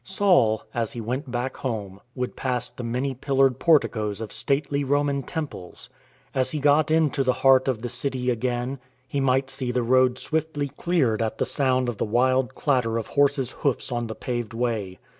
Saul, as he went back home, would pass the many pillared porticoes of stately Roman temples. As he got into the heart of the city again, he might see the road swiftly cleared at the sound of the wild clatter of horses' hoofs on the paved way.